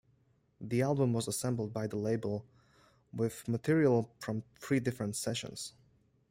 The album was assembled by the label with material from three different sessions.